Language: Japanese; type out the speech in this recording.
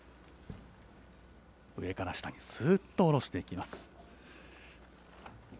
上から下にすーっと下ろしていきます。